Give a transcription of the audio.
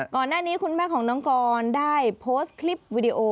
ก่อนหน้านี้คุณแม่ของน้องกรได้โพสต์คลิปวิดีโอ